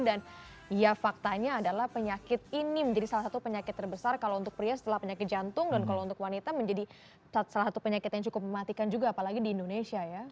dan ya faktanya adalah penyakit ini menjadi salah satu penyakit terbesar kalau untuk pria setelah penyakit jantung dan kalau untuk wanita menjadi salah satu penyakit yang cukup mematikan juga apalagi di indonesia ya